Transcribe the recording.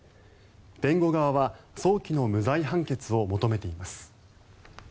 弁護側は早期の無罪判決を求めています。